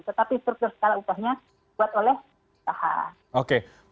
tetapi struktur skala upahnya dibuat oleh saham